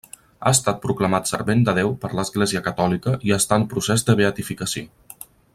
Ha estat proclamat servent de Déu per l'Església catòlica i està en procés de beatificació.